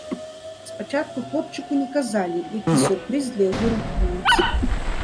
Спачатку хлопчыку не казалі, які сюрпрыз для яго рыхтуюць.